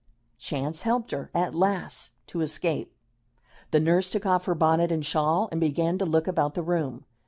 Chance helped her, at last, to escape. The nurse took off her bonnet and shawl and began to look about the room.